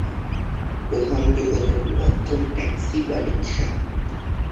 প্রধান যোগাযোগ মাধ্যম ট্যাক্সি বা রিক্সা।